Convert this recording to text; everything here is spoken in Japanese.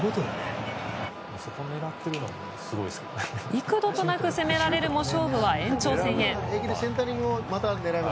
幾度となく攻められるも勝負は延長戦へ。